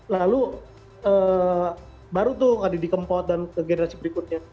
lalu baru tuh dikempot ke generasi berikutnya